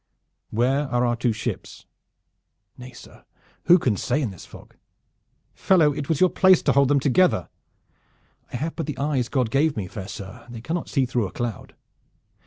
"Where are our two ships?" "Nay, sir, who can say in this fog?" "Fellow, it was your place to hold them together." "I have but the eyes God gave me, fair sir, and they cannot see through a cloud."